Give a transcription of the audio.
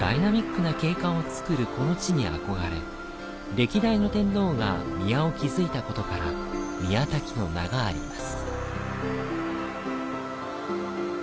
歴代の天皇が宮を築いたことから宮滝の名があります。